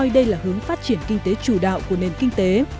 đây là hướng phát triển kinh tế chủ đạo của nền kinh tế